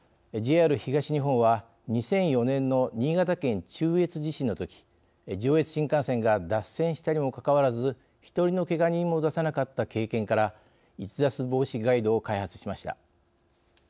ＪＲ東日本は、２００４年の新潟県中越地震のとき上越新幹線が脱線したにもかかわらず１人のけが人も出さなかった経験から逸脱防止ガイドを開発しました。